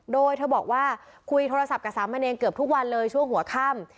โดยเธอบอกว่าคุยโทรศัพท์กับสามเณรเกือบทุกวันเลยช่วงหัวค่ำ